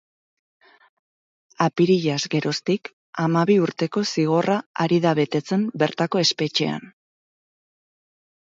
Apirilaz geroztik, hamabi urteko zigorra ari da betetzen bertako espetxean.